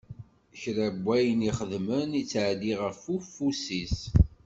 Kra n wayen xeddmen, ittɛeddi ɣef ufus-is.